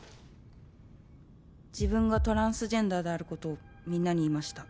「自分がトランスジェンダーであることをみんなに言いました」